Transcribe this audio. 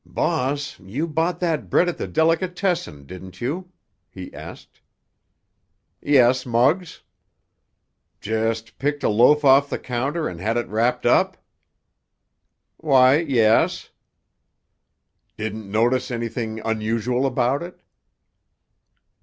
"Boss, you bought that bread at the delicatessen, didn't you?" he asked. "Yes, Muggs." "Just picked a loaf off the counter and had it wrapped up?" "Why, yes!" "Didn't notice anything unusual about it?"